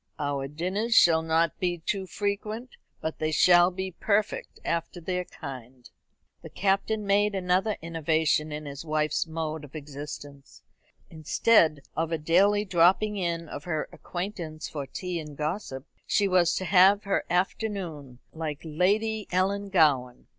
Our dinners shall not be too frequent, but they shall be perfect after their kind." The Captain made another innovation in his wife's mode of existence. Instead of a daily dropping in of her acquaintance for tea and gossip, she was to have her afternoon, like Lady Ellangowan.